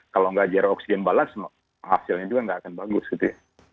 kalau gak zero oksigen balance hasilnya juga gak akan bagus gitu ya